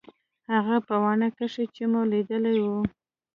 هغه په واڼه کښې چې مو ليدلي وو.